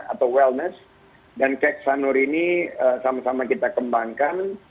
atau wellness dan kek sanur ini sama sama kita kembangkan